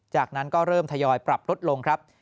จากนั้นก็เริ่มทยอยปรับลดลงครับ